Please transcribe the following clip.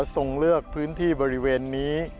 เลือกพื้นที่บริเวณนี้